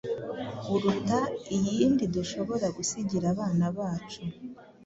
uruta iyindi dushobora gusigira abana bacu